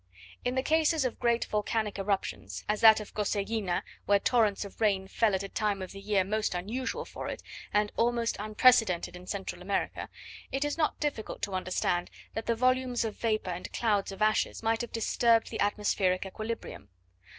In the cases of great volcanic eruptions, as that of Coseguina, where torrents of rain fell at a time of the year most unusual for it, and "almost unprecedented in Central America," it is not difficult to understand that the volumes of vapour and clouds of ashes might have disturbed the atmospheric equilibrium.